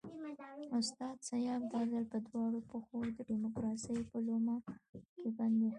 استاد سیاف دا ځل په دواړو پښو د ډیموکراسۍ په لومه کې بند دی.